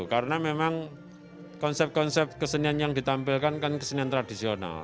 karena memang konsep konsep kesenian yang ditampilkan kan kesenian tradisional